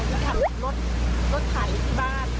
พี่ยามรถรถขาดลิขบ้าน